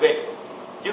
đấy là một trong